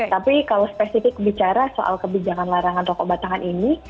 tapi kalau spesifik bicara soal kebijakan larangan rokok batangan ini